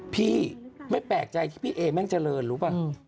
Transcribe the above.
พี่ไม่แปลกใจที่พี่เอแม่งเจริญรู้ป่ะ